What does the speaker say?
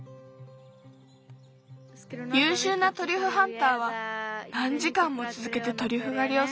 ゆうしゅうなトリュフハンターはなんじかんもつづけてトリュフがりをすることがある。